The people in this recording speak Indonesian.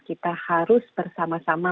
kita harus bersama sama